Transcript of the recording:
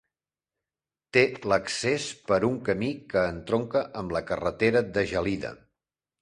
Té l'accés per un camí que entronca amb la carretera de Gelida.